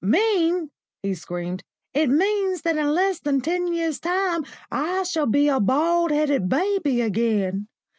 "Mean?" he screamed, "it means that in less than ten years' time I shall be a bald headed baby again.